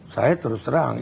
saya terus terang